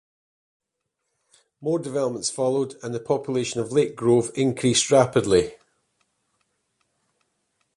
More developments followed and the population of Lake Grove increased rapidly.